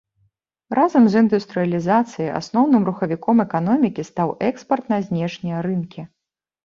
Разам з індустрыялізацыяй асноўным рухавіком эканомікі стаў экспарт на знешнія рынкі.